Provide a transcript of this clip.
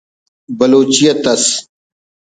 بلوچیت ئس